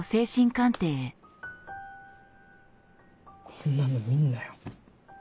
こんなの見んなよ。